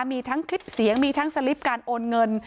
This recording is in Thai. มีทั้งคลิปเสียงมีทั้งสลิปการโอนเงิน